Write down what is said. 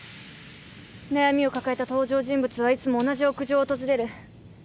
悩みを抱えた登場人物はいつも同じ屋上を訪れる。